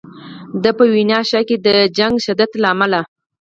د ده په وینا ښایي د جګړې شدت له امله.